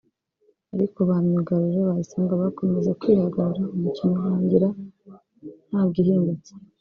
ariko ba myugariro ba Isonga bakomeza kwihagararaho umukino urangira nta gihindutse